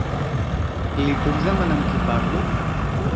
Li puc demanar amb qui parlo?